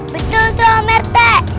betul dong pak rete